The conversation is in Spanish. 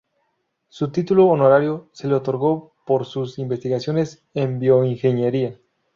Su título honorario se le otorgó por sus investigaciones en bioingeniería.